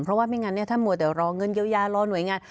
เพราะว่าไม่งั้นถ้ามัวแต่รอเงินเยียวยารอหน่วยงาน